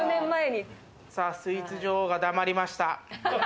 さぁスイーツ女王が黙りました。